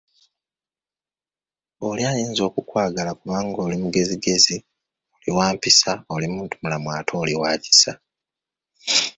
Oli ayinza okukwagala kubanga oli mugezigezi, oli wa mpisa, oli muntumulamu ate oli wa kisa.